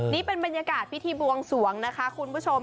นี่เป็นบรรยากาศพิธีบวงสวงนะคะคุณผู้ชม